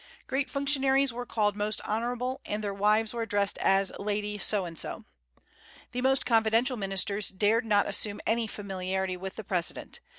Great functionaries were called "Most Honorable," and their wives were addressed as "Lady" So and So. The most confidential ministers dared not assume any familiarity with the President.